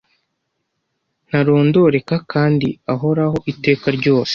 ntarondoreka kandi ahoraho iteka ryose.